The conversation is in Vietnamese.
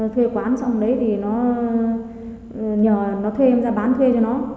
thuê quán xong đấy thì nó nhờ nó thuê ra bán thuê cho nó